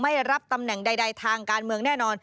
รับตำแหน่งใดทางการเมืองแน่นอน